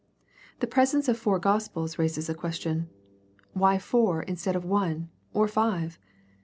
The presence of four gospels raises a question. Why four instead of one, or five